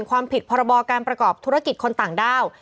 ความผิดพรบการประกอบธุรกิจคนต่างด้าว